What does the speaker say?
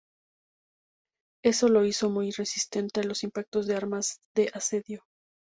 Eso la hizo muy resistente a los impactos de armas de asedio.